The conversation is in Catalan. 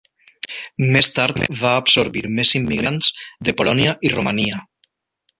Més tard va absorbir més immigrants de Polònia i Romania.